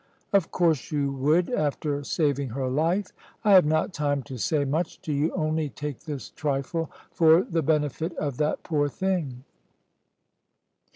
"Of course you would, after saving her life. I have not time to say much to you, only take this trifle for the benefit of that poor thing."